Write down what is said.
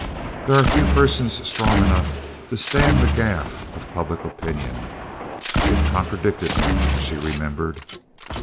"There are few persons strong enough to stand the gaff of public opinion." She had contradicted him, she remembered.